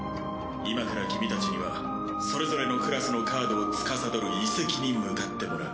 今から君たちにはそれぞれのクラスのカードをつかさどる遺跡に向かってもらう。